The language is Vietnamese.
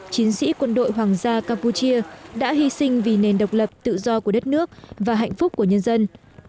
chiến sĩ quân đội hoàng gia campuchia đã hy sinh vì nền độc lập tự do của đất nước và hạnh phúc của nhân dân